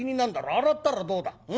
洗ったらどうだうん？